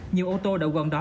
nhiều ô tô đậu gọn đó